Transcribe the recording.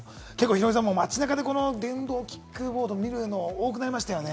ヒロミさん、街中で電動キックボードを見るの多くなりましたよね？